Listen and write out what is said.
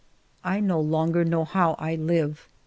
I no longer know how I live.